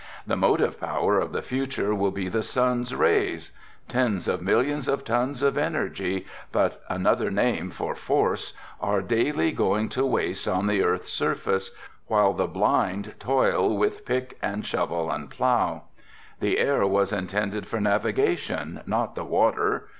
The motive power of the future will be the sun's rays. Tens of millions of tons of energy, but another name for force, are daily going to waste on the earth's surface, while the blind toil with pick and shovel and plough. The air was intended for navigation, not the water.